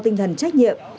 tinh thần trách nhiệm